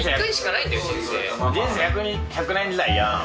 人生１００年時代やん？